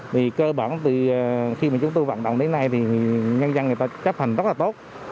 vì cơ bản thì khi mà chúng tôi vận động đến nay thì nhân dân người ta chấp hành rất là tốt